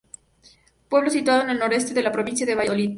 Pueblo situado al nordeste de la provincia de Valladolid.